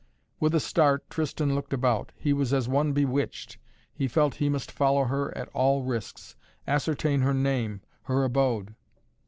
With a start Tristan looked about. He was as one bewitched. He felt he must follow her at all risks, ascertain her name, her abode.